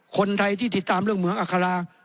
คนไทยที่ติดตามเรื่องเหมืองอัครา